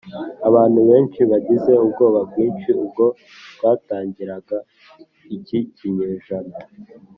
Abantu benshi bagize ubwoba bwinshi ubwo twatangiraga iki kinyejana